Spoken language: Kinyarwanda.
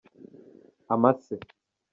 amase.